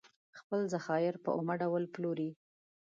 خپل ذخایر په اومه ډول پلوري.